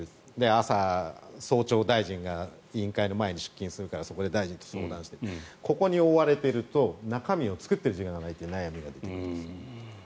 朝、早朝大臣が委員会の前に出勤するからそこで大臣と相談してここに追われていると中身を作っている時間がないという悩みができる。